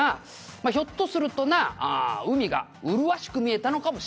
「まあひょっとするとな海が麗しく見えたのかもしれないな」